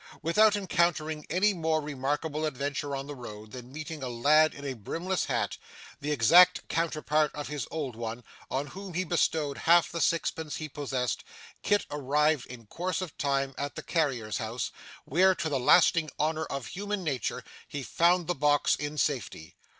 Without encountering any more remarkable adventure on the road, than meeting a lad in a brimless hat, the exact counterpart of his old one, on whom he bestowed half the sixpence he possessed, Kit arrived in course of time at the carrier's house, where, to the lasting honour of human nature, he found the box in safety.